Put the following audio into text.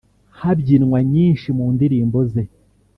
habyinwa nyinshi mu ndirimbo ze